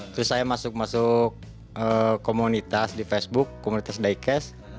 terus saya masuk masuk komunitas di facebook komunitas diecast